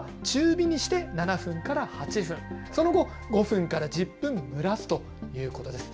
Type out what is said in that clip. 沸騰したあとは中火にして７分から８分、その後、５分から１０分蒸らすということです。